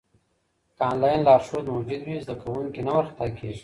که انلاین لارښود موجود وي، زده کوونکی نه وارخطا کېږي.